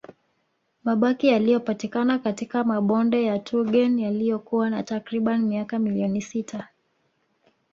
Mabaki yaliyopatikana katika mabonde ya Tugen yaliyokuwa na takriban miaka milioni sita